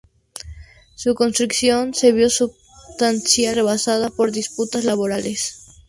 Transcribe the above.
Su construcción, se vio substancialmente retrasada por disputas laborales.